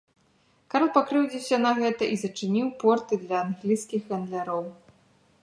Карл пакрыўдзіўся на гэта і зачыніў порты для англійскіх гандляроў.